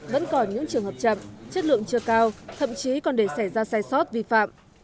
vẫn còn những trường hợp chậm chất lượng chưa cao thậm chí còn để xảy ra sai sót vi phạm